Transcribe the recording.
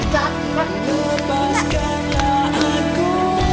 sama tindak kasihku